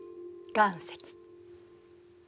岩石？